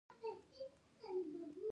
دوی له سعودي سره اړیکې ښې کړې.